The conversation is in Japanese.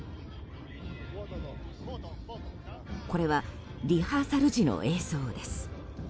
これはリハーサル時の映像です。